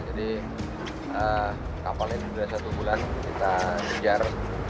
jadi kapalnya ini sudah satu bulan kita mengejar